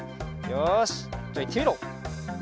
よしじゃあいってみろ。